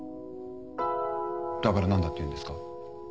だからなんだって言うんですか？